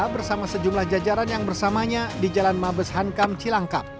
bersama sejumlah jajaran yang bersamanya di jalan mabes hankam cilangkap